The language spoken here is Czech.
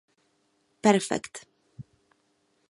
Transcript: Perfect.